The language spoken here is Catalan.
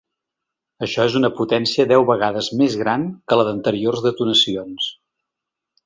Això és una potència deu vegades més gran que la d’anteriors detonacions.